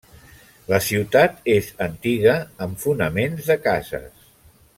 La ciutat és antiga amb fonaments de cases.